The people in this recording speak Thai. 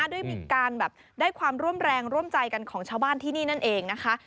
ด้วยมีการแบบได้ความร่วมแรงร่วมใจกันของชาวบ้านที่นี่นั่นเองนะคะ